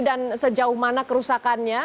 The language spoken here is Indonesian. dan sejauh mana kerusakan